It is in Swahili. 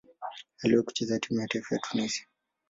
Aliwahi kucheza timu ya taifa ya Tunisia.